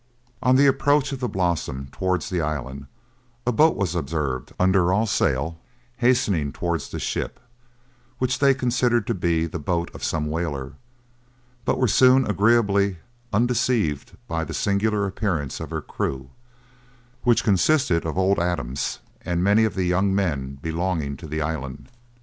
On the approach of the Blossom towards the island, a boat was observed, under all sail, hastening towards the ship, which they considered to be the boat of some whaler, but were soon agreeably undeceived by the singular appearance of her crew, which consisted of old Adams and many of the young men belonging to the island.